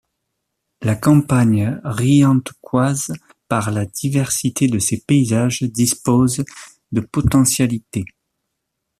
La campagne riantecoise par la diversité de ses paysages dispose de potentialités.